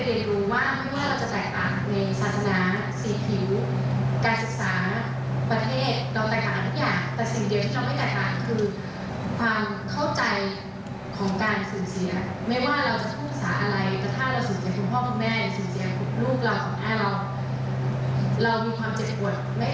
แต่ถ้าเราสูญเสียทั้งพ่อพวกแม่สูญเสียลูกเราของแม่เรา